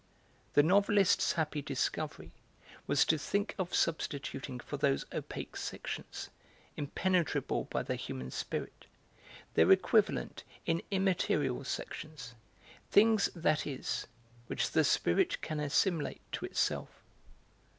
The novelist's happy discovery was to think of substituting for those opaque sections, impenetrable by the human spirit, their equivalent in immaterial sections, things, that is, which the spirit can assimilate to itself.